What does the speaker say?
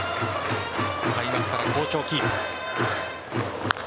開幕から好調をキープ。